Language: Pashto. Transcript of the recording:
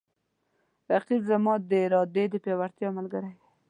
رقیب زما د ارادې د پیاوړتیا ملګری دی